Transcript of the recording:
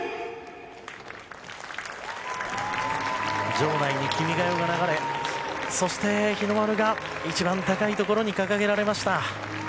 場内に「君が代」が流れそして、日の丸が一番高いところに掲げられました。